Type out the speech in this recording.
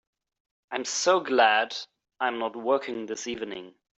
I'm so glad I'm not working this evening!